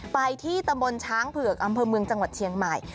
ไปที่ตำบลช้างเผือกอำเภอเมืองจังหวัดเชียงใหม่